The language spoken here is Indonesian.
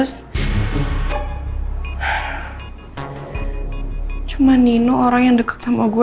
semoga gak terria